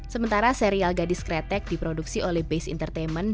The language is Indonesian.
sementara serial gadis kretek diproduksi oleh based entertainment